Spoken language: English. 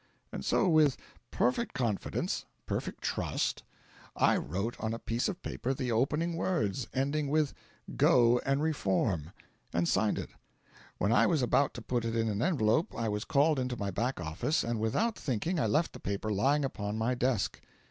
And so with perfect confidence, perfect trust, I wrote on a piece of paper the opening words ending with "Go, and reform," and signed it. When I was about to put it in an envelope I was called into my back office, and without thinking I left the paper lying open on my desk."